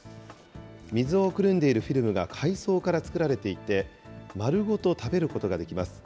水をくるんでいるフィルムが海藻から作られていて、丸ごと食べることができます。